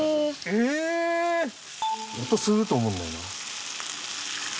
ええ！？音すると思うんだよな。